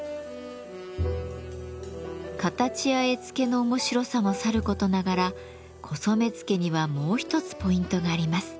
形や絵付けの面白さもさることながら古染付にはもう一つポイントがあります。